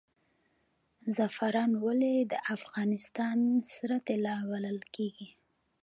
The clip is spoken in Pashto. زعفران ولې د افغانستان سره طلا بلل کیږي؟